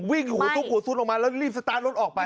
วิ่งอยู่หัวสุดหัวสุดลงมาแล้วรีบสตาร์ทรงรถออกไป